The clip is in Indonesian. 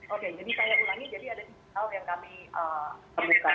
oke jadi saya ulangi jadi ada tiga hal yang kami temukan